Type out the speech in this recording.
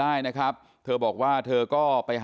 อันนี้แม่งอียางเนี่ย